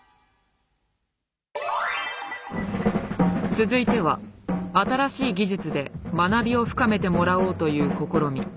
続いては新しい技術で学びを深めてもらおうという試み。